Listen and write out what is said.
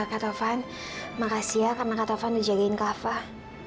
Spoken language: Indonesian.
kak tovan makasih ya karena kak tovan dijagain kak afah